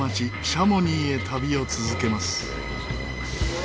シャモニーへ旅を続けます。